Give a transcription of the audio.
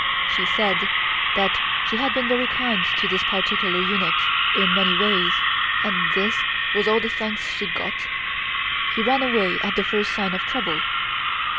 She said that she had been very kind to this particular eunuch in many ways, and this was all the thanks she got; he ran away at the first sign of trouble.